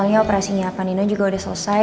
soalnya operasinya panino juga udah selesai